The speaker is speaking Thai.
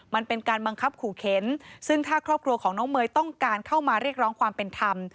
มันเป็นการบังคับขู่เข็นซึ่งถ้าครอบครัวของน้องเมย์ต้องการเข้ามาเรียกร้องความเป็นธรรม